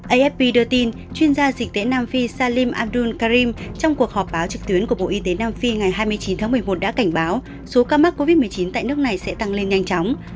afp đưa tin chuyên gia dịch tễ nam phi salim amdul karim trong cuộc họp báo trực tuyến của bộ y tế nam phi ngày hai mươi chín tháng một mươi một đã cảnh báo số ca mắc covid một mươi chín tại nước này sẽ tăng lên nhanh chóng